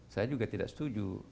saya juga tidak setuju